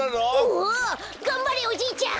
おがんばれおじいちゃん